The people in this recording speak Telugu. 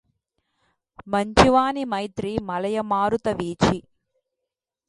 మంచి వాని మైత్రి మలయమారుత వీచి